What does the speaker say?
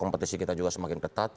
kompetisi kita juga semakin ketat